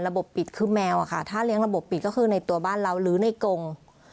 ปิดคือแมวอะค่ะถ้าเลี้ยงระบบปิดก็คือในตัวบ้านเราหรือในกง